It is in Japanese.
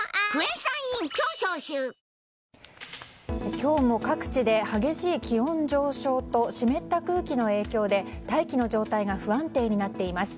今日も各地で激しい気温上昇と湿った空気の影響で大気の状態が不安定になっています。